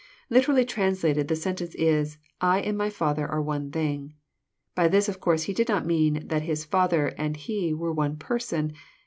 Literally translated, the sentence is, "I and my Father are one thing." By this, of course, He did not mean that His Father and He were one Person.